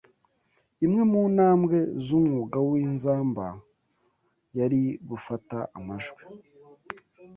Imwe mu "ntambwe" z'umwuga w'inzamba yari gufata amajwi